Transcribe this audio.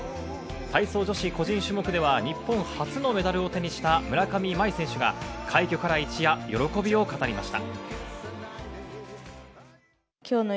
体操女子個人種目では日本初のメダルを手にした村上茉愛選手が、快挙から一夜、喜びを語りました。